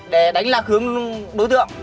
để đánh lạc hướng đối tượng